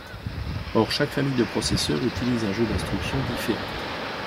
Or chaque famille de processeurs utilise un jeu d'instructions différent.